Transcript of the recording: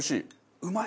うまい！